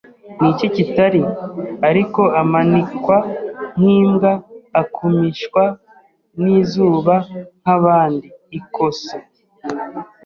n'iki kitari; ariko amanikwa nk'imbwa, akumishwa n'izuba nk'abandi, i Corso